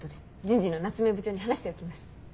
人事の夏目部長に話しておきます。